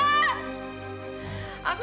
lagu lupa aku